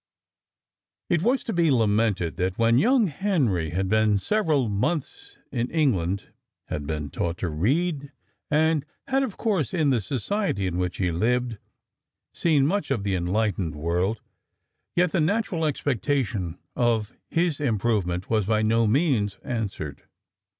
It was to be lamented that when young Henry had been several months in England, had been taught to read, and had, of course, in the society in which he lived, seen much of the enlightened world, yet the natural expectation of his improvement was by no means answered.